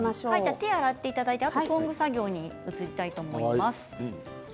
手を洗っていただいてトング作業に移ります。